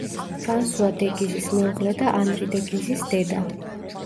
ფრანსუა დე გიზის მეუღლე და ანრი დე გიზის დედა.